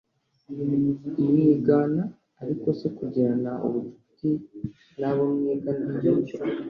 mwigana Ariko se kugirana ubucuti n abo mwigana hari icyo